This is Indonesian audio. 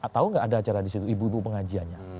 tahu nggak ada acara di situ ibu ibu pengajiannya